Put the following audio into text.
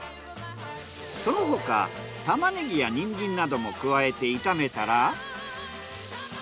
その他タマネギやニンジンなども加えて炒めたら。